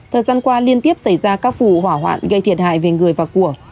thời gian qua liên tiếp xảy ra các vụ hỏa hoạn gây thiệt hại về người và của